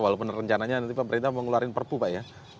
walaupun rencananya nanti pemerintah mengeluarkan perpu pak ya